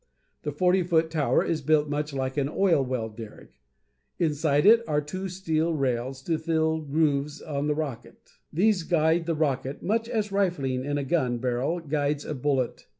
The forty foot tower is built much like an oil well derrick. Inside it are two steel rails to fill grooves in the rocket. These guide the rocket much as rifling in a gun barrel guides a bullet.